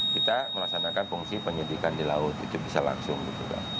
kita melaksanakan fungsi penyidikan di laut itu bisa langsung gitu kan